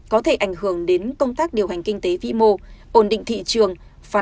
có thể ảnh hưởng đến công tác điều hành kinh tế vĩ mô ổn định thị trường